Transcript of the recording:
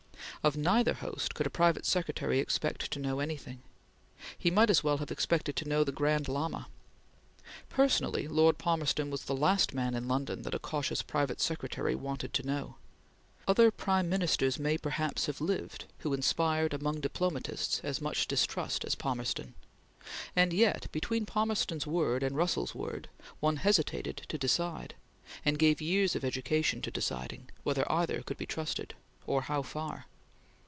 Of neither host could a private secretary expect to know anything. He might as well have expected to know the Grand Lama. Personally Lord Palmerston was the last man in London that a cautious private secretary wanted to know. Other Prime Ministers may perhaps have lived who inspired among diplomatists as much distrust as Palmerston, and yet between Palmerston's word and Russell's word, one hesitated to decide, and gave years of education to deciding, whether either could be trusted, or how far.